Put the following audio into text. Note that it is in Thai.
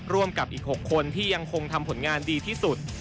ร่วมกับอีก๖คนที่ยังคงทำผลงานดีที่สุด